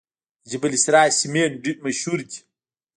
د جبل السراج سمنټ مشهور دي